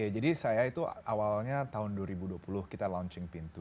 jadi saya itu awalnya tahun dua ribu dua puluh kita launching pintu